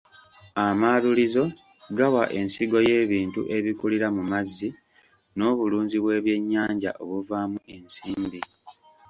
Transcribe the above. Amaalulizo gawa ensigo y'ebintu ebikulira mu mazzi n'obulunzi bw'ebyennyanja obuvaamu ensimbi.